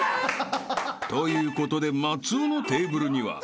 ［ということで松尾のテーブルには］